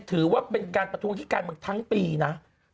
ถือว่าเป็นการประท้วงที่การเมืองทั้งปีนะ